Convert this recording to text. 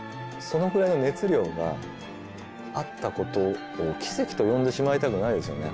そのぐらいの熱量があったことを「奇跡」と呼んでしまいたくないですよね。